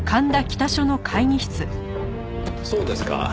そうですか。